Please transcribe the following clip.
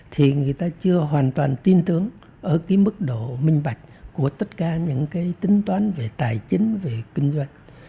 thì người ta chưa hoàn toàn tin tưởng ở cái mức độ minh bạch của tất cả những cái tính toán về tài chính về kinh doanh